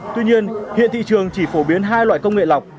tuy nhiên hiện thị trường chỉ phổ biến hai loại công nghệ lọc